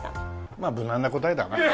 まあ無難な答えだな。